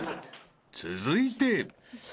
［続いて］